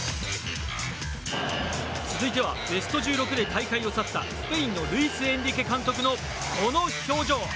続いてはベスト１６で大会を去ったスペインのルイス・エンリケ監督のこの表情。